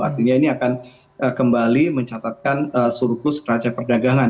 artinya ini akan kembali mencatatkan surplus neraca perdagangan